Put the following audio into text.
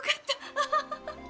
アハハハ。